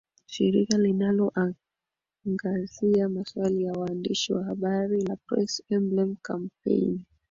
shirika linalo angazia maswali ya waandishi wa habari la press emblem kampeini